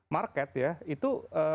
market ya itu